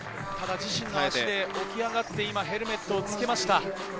自身の足で起き上がって、今、ヘルメットをつけました。